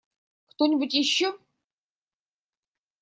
Кто-нибудь еще?